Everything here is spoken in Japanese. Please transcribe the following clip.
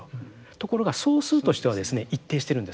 ところが総数としてはですね一定してるんです。